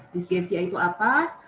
dysgesia itu apa